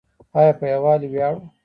آیا په یوالي ویاړو؟